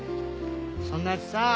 そんなやつさ